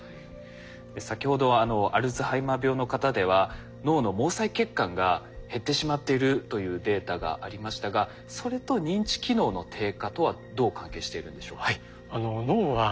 先ほどアルツハイマー病の方では脳の毛細血管が減ってしまっているというデータがありましたがそれと認知機能の低下とはどう関係しているんでしょうか？